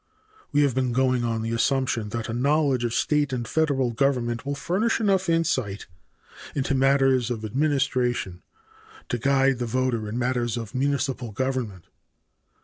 We have been going on the assumption that a knowledge of state and federal government will furnish enough insight into matters of administration to guide the voter in matters of municipal government.